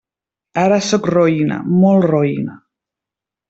Ara sóc roïna, molt roïna.